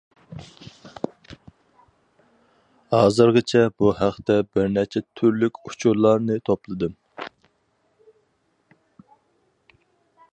ھازىرغىچە بۇ ھەقتە بىر نەچچە تۈرلۈك ئۇچۇرلارنى توپلىدىم.